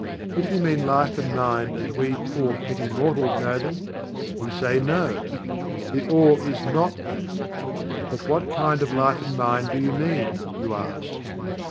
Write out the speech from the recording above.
If you mean Life and Mind as we poor petty mortals know them, we say No! THE ALL is not that! "But what kind of Life and Mind do you mean?" you ask.